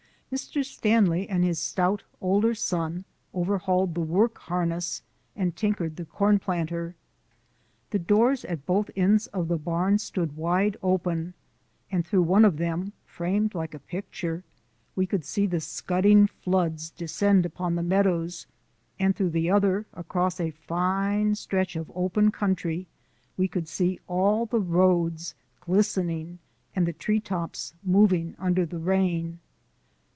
Mr. Stanley and his stout older son overhauled the work harness and tinkered the corn planter. The doors at both ends of the barn stood wide open, and through one of them, framed like a picture, we could see the scudding floods descend upon the meadows, and through the other, across a fine stretch of open country, we could see all the roads glistening and the treetops moving under the rain.